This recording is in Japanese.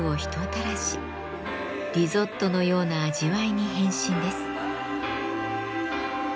リゾットのような味わいに変身です。